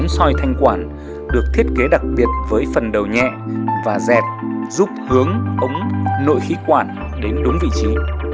soi thanh quản được thiết kế đặc biệt với phần đầu nhẹ và dệt giúp hướng ống nội khí quản đến đúng vị trí